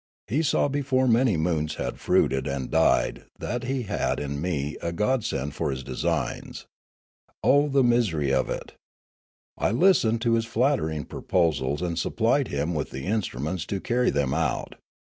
He saw before manj' moons had fruited and died that he had in me a godsend for his designs. Oh, the misery of it ! I listened to his flattering proposals, and supplied him with the instruments to carry them out.